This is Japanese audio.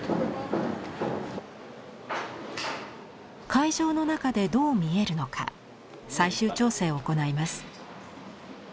会場の中でどう見えるのか最終調整を行います。